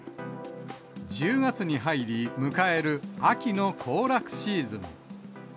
１０月に入り、迎える秋の行楽シーズン。